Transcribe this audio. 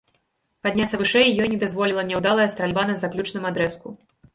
Падняцца вышэй ёй не дазволіла няўдалая стральба на заключным адрэзку.